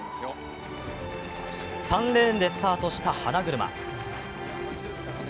３レーンでスタートした花車。